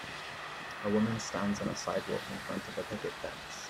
A woman stands on a sidewalk in front of a picket fence.